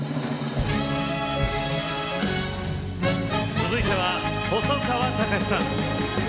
続いては細川たかしさん。